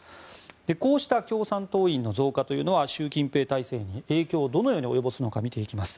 こうした共産党員の増加は習近平体制に影響をどのように及ぼすのかを見ていきます。